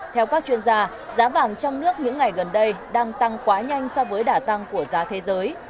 theo các chuyên gia giá vàng trong nước những ngày gần đây đang tăng quá nhanh so với đả tăng của giá thế giới